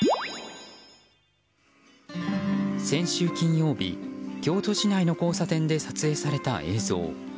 先週金曜日京都市内の交差点で撮影された映像。